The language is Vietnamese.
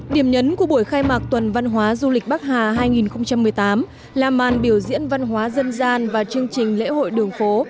điểm nhấn của buổi khai mạc tuần văn hóa du lịch bắc hà hai nghìn một mươi tám là màn biểu diễn văn hóa dân gian và chương trình lễ hội đường phố